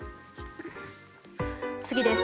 次です。